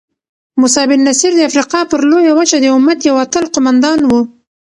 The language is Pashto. موسی بن نصیر د افریقا پر لویه وچه د امت یو اتل قوماندان وو.